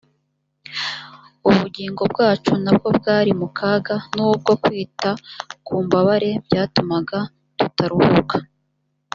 ubugingo bwacu na bwo bwari mu kaga n’ubwo kwita ku mbabare byatumaga tutaruhuka